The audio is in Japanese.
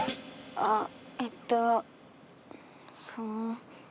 あえっとその。